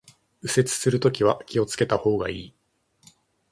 右折するときは気を付けた方がいい